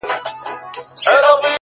• یو ناڅاپه یې ور پام سو کښتی وان ته,